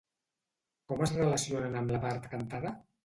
Com es relacionen amb a la part cantada?